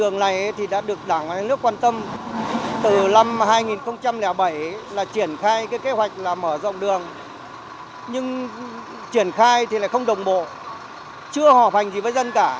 nghệ kết quả xuất hiện ngày bảy là triển khai kế hoạch mở rộng đường nhưng triển khai không đồng bộ chưa họp hành gì với dân cả